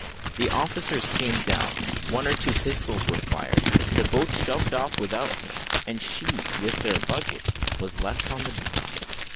The officers came down, one or two pistols were fired, the boat shoved off without her, and she, with their luggage, was left on the beach.